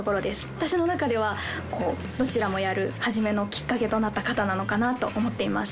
私の中ではどちらもやる初めのきっかけとなった方なのかなと思っています。